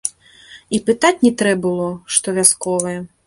І пытаць не трэ было, што вясковыя.